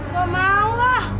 gak mau ma